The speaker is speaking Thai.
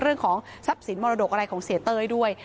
เรื่องของทรัพย์สินมรดกอะไรของเสียเต้ยด้วย